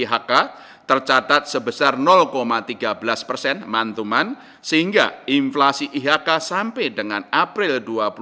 ihk tercatat sebesar tiga belas persen mantuman sehingga inflasi ihk sampai dengan april dua ribu dua puluh